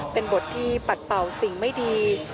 เป็นบทที่ปัดเป่าสิ่งไม่ดี